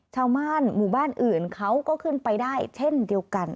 ชาวบ้านหมู่บ้านอื่นเขาก็ขึ้นไปได้เช่นเดียวกัน